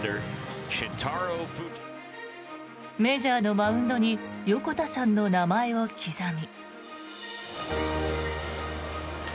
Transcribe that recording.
メジャーのマウンドに横田さんの名前を刻み。